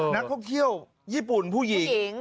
นักท่องเที่ยวญี่ปุ่นผู้หญิง